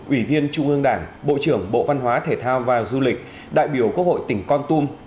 ủy viên trung ương đảng bộ trưởng bộ văn hóa thể thao và du lịch đại biểu quốc hội tỉnh con tum